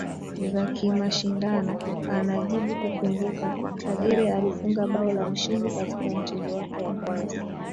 za kimashindano anajibuKumbuka Kagere alifunga bao la ushindi katika mchezo wake wa kwanza